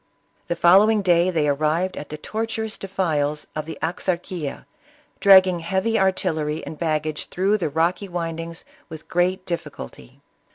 The following day they arrived at the tor tuous defiles of the Axarquia, dragging heavy artillery and baggage through tfte rocky windings with great difficulty.